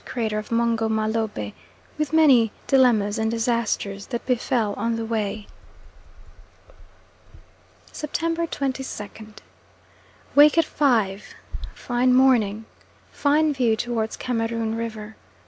crater of Mungo Mah Lobeh, with many dilemmas and disasters that befell on the way. September 22nd. Wake at 5. Fine morning. Fine view towards Cameroon River.